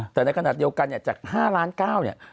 แต่ในขณะเดียวกันเนี่ยจาก๕ล้าน๙เนี่ย